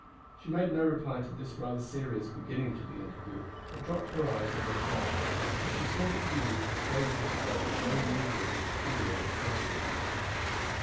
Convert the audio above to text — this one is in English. She made no reply to this rather serious beginning to the interview, but dropped her eyes on the turf, for she saw that the youth was gazing at her with a very mingled and peculiar expression.